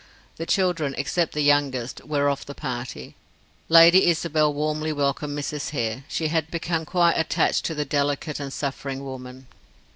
The children, except the youngest, were of the party. Lady Isabel warmly welcomed Mrs. Hare; she had become quite attached to the delicate and suffering woman.